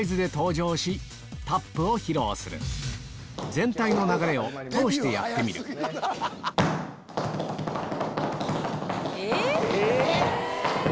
全体の流れを通してやってみるえ？